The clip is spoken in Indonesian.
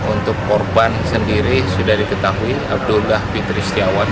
untuk korban sendiri sudah diketahui abdullah fitri setiawan